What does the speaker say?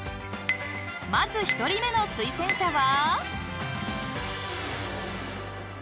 ［まず１人目の推薦者は］